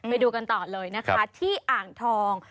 ไปดูกันต่อเลยนะคะที่อ่างทอง